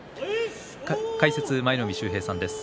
解説は舞の海秀平さんです。